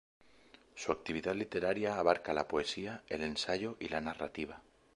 Su actividad literaria abarca la poesía, el ensayo y la narrativa.